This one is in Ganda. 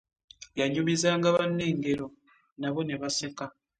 Yanyumizanga banne engero nabo ne baseka.